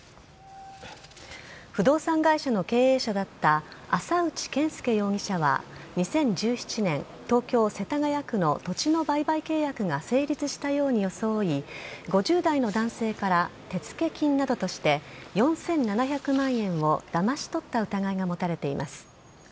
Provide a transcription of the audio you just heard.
不動産会社の経営者だった浅内賢輔容疑者は２０１７年東京・世田谷区の土地の売買契約が成立したように装い５０代の男性から手付け金などとして４７００万円をだまし取った疑いが持たれています。